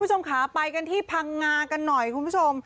คุณผู้ชมค่ะไปกันที่พังงากันหน่อยคุณผู้ชม